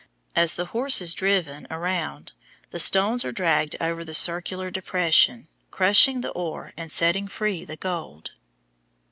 As the horse is driven around the stones are dragged over the circular depression, crushing the ore and setting free the gold.